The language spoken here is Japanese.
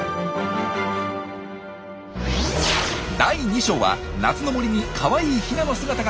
第２章は夏の森にかわいいヒナの姿が！